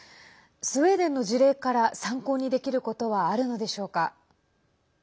スウェーデンの事例から参考にできることはあるのでしょうか？